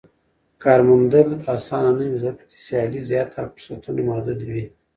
کار موندل اسانه نه وي ځکه چې سيالي زياته او فرصتونه محدود وي.